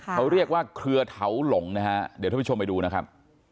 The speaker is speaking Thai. เขาเรียกว่าเครือเถาหลงนะฮะเดี๋ยวท่านผู้ชมไปดูนะครับ